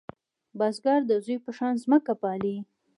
بزګر د زوی په شان ځمکه پالې